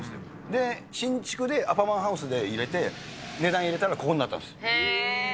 で、新築でアパマンハウスで入れて、値段入れたら、ここになったんです。